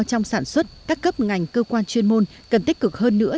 trong sản xuất các cấp ngành cơ quan chuyên môn cần tích cực hơn nữa